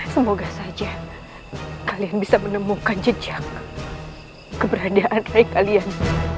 semoga saja kalian bisa menemukan jejak keberadaan saya kalian